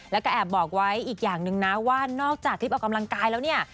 แล้วก็แอบบอกไว้อีกอย่างหนึ่งนะว่านอกจากทริปออกกำลังกายแล้วเนี่ย